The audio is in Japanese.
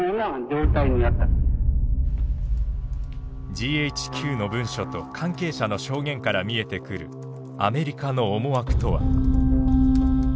ＧＨＱの文書と関係者の証言から見えてくるアメリカの思惑とは。